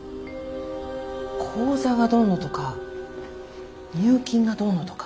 口座がどうのとか入金がどうのとか。